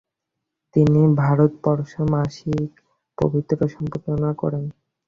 তিনি ভারতবর্ষ মাসিক পত্রিকা সম্পাদনা করেন।